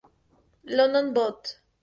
London", Bot.